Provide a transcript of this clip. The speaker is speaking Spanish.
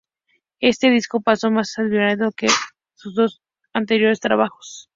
Este disco pasó algo más inadvertido que sus dos anteriores trabajos.